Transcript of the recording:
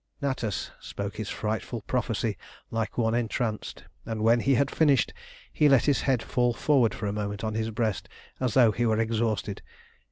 Natas spoke his frightful prophecy like one entranced, and when he had finished he let his head fall forward for a moment on his breast, as though he were exhausted.